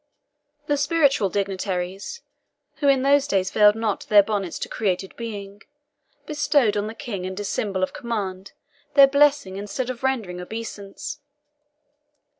The spiritual dignitaries, who in those days veiled not their bonnets to created being, bestowed on the King and his symbol of command their blessing instead of rendering obeisance.